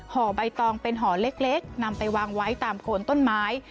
ใบตองเป็นห่อเล็กนำไปวางไว้ตามโคนต้นไม้